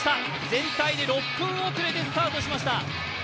全体で６分遅れでスタートしました。